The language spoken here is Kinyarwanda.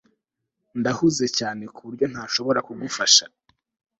Ndahuze cyane kuburyo ntashobora kugufasha